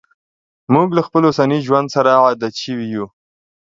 موږ له خپل اوسني ژوند سره عادت شوي یو.